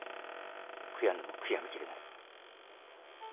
悔やんでも悔やみきれない。